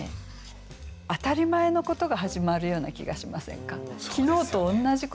当たり前のことが始まるような気がしませんか？